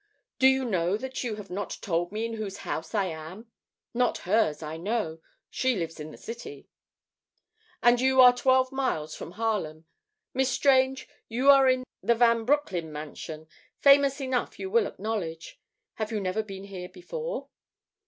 "Do you know that you have not told me in whose house I am? Not hers, I know. She lives in the city." "And you are twelve miles from Harlem. Miss Strange, you are in the Van Broecklyn mansion, famous enough you will acknowledge. Have you never been here before?"